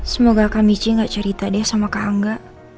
semoga kak michi gak cerita deh sama kak angga